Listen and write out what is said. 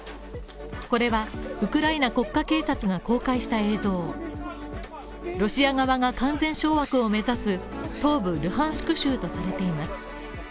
これはウクライナ国家警察が公開した映像、ロシア側が完全掌握を目指す東部ルハンシク州とされています。